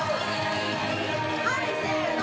はいせの！